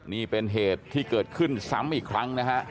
นี่เป็นเหตุที่เกิดขึ้นซ้ำอีกครั้งนะฮะ